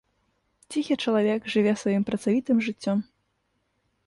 Ціхі чалавек жыве сваім працавітым жыццём.